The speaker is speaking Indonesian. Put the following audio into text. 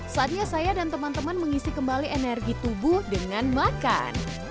saatnya saya dan teman teman mengisi kembali energi tubuh dengan makan